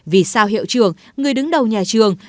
vì sao hiệu trường người đứng đầu nhà trường